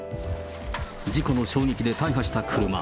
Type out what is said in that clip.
事故の衝撃で大破した車。